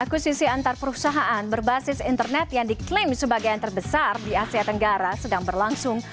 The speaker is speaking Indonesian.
akusisi antar perusahaan berbasis internet yang diklaim sebagai yang terbesar di asia tenggara sedang berlangsung